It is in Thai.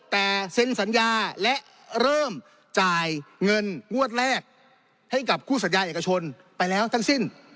แต่เซ็นสัญญาและเริ่มจ่ายเงินงวดแรกให้กับคู่สัญญาเอกชนไปแล้วทั้งสิ้น